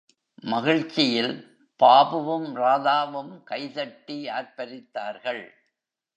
மகிழ்ச்சியில், பாபுவும், ராதாவும் கை தட்டி ஆர்பரித்தார்கள்.